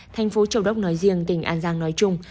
thành phố châu đốc nói riêng tỉnh an giang nói chung